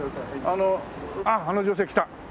あっあの女性来た。